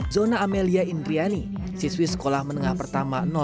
zona amelia indriani siswi sekolah menengah pertama